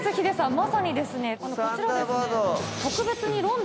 まさにですねこちら特別に。